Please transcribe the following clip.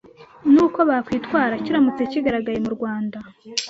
n’uko bakwitwara kiramutse kigaragaye m Rwanda.